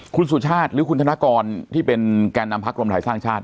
คุณสุชาติหรือคุณธนกรที่เป็นแก่นำพักรวมไทยสร้างชาติ